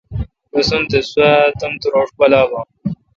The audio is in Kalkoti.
بسنت سوا تمتوروݭ پالا بون۔